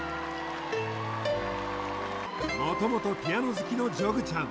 元々ピアノ好きのジョグちゃん